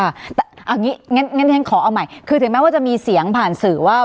เอาอย่างนี้งั้นขอเอาใหม่คือถึงแม้ว่าจะมีเสียงผ่านสื่อว่า